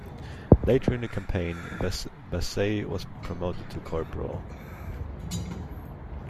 Later in the campaign, Bassett was promoted to corporal.